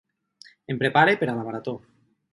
Em prepare per a la marató.